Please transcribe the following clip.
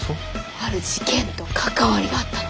ある事件と関わりがあったの。